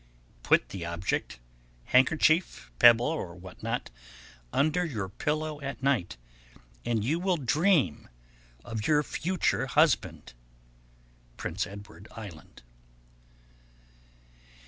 Put the object handkerchief, pebble, or what not under your pillow at night, and you will dream of your future husband. _Prince Edward Island.